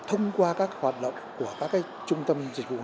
thông qua các hoạt động của các trung tâm dịch vụ